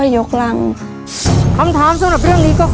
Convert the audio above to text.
รับทุนไปต่อชีวิตสุดหนึ่งล้อนบอส